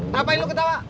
ngapain lo ketawa